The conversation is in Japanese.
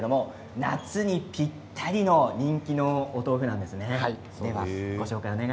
夏にぴったりの人気のお豆腐なんですね。